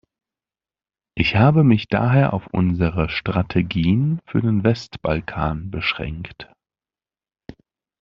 Ich habe mich daher auf unsere Strategien für den Westbalkan beschränkt.